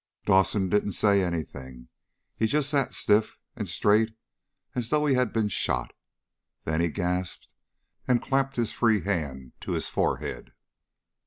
Dawson didn't say anything. He just sat stiff and straight as though he had been shot. Then he gasped, and clapped his free hand to his forehead.